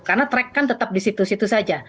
karena trase kan tetap di situ saja